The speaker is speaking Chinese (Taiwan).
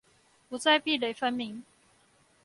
不再壁壘分明